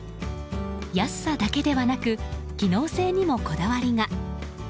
安さだけではなく機能性にもこだわりが。